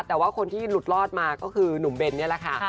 แต่ว่าคนที่หลุดรอดมาก็คือหนุ่มเบนนี่แหละค่ะ